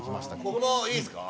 僕もいいですか？